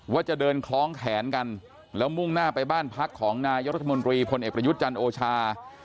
ว่าจะเดินคล้องแขนกันแล้วมุ่งหน้าไปบ้านพักของนายรัฐมนตรีพลเอกประยุทธ์จันทร์โอชา